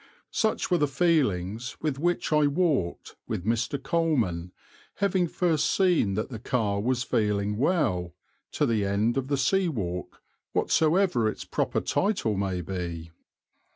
Such were the feelings with which I walked with Mr. Coleman, having first seen that the car was feeling well, to the end of the sea walk, whatsoever its proper title may be.